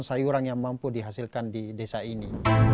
sayuran yang mampu dihasilkan di desa ini